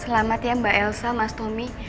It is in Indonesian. selamat ya mbak elsa mas tomi